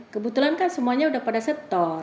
kebetulan kan semua sudah pada setor